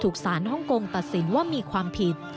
สารฮ่องกงตัดสินว่ามีความผิด